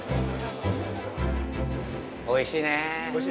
◆おいしいね。